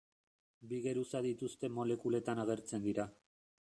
Bi geruza dituzten molekuletan agertzen dira.